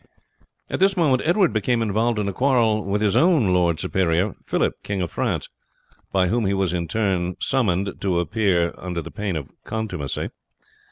At this moment Edward became involved in a quarrel with his own lord superior Phillip, king of France, by whom he was in turned summoned to appear under the pain of contumacy.